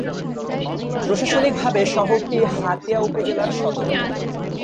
প্রশাসনিকভাবে শহরটি হাতিয়া উপজেলার সদর।